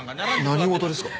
何事ですか？